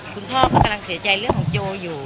คุณพ่อก็กำลังเสียใจเรื่องของโยอยู่